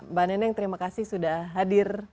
mbak neneng terima kasih sudah hadir